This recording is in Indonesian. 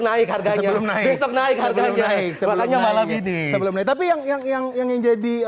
naik harganya belum naik naik harganya makanya malam ini tapi yang yang yang yang jadi